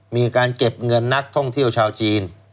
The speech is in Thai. มีการเก็บเงินนักท่องเที่ยวชาวจีน